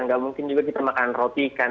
nggak mungkin juga kita makan roti kan